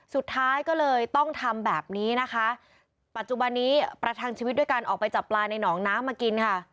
สุดท้ายก็เลยต้องทำแบบนี้นะคะปัจจุบันนี้ประทังชีวิตด้วยการออกไปจับปลาในหนองน้ำมากินค่ะ